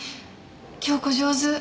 京子上手。